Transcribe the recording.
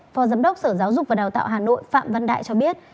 phó giám đốc sở giáo dục và đào tạo hà nội phạm văn đại cho biết